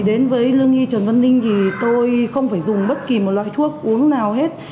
đến với lương y trần văn linh tôi không phải dùng bất kỳ loại thuốc uống nào hết